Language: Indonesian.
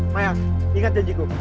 mayang ingat janjiku